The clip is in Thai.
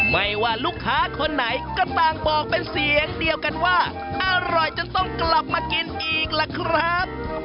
ไม่ว่าลูกค้าคนไหนก็ต่างบอกเป็นเสียงเดียวกันว่าอร่อยจนต้องกลับมากินอีกล่ะครับ